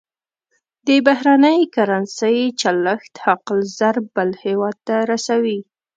د بهرنۍ کرنسۍ چلښت حق الضرب بل هېواد ته رسوي.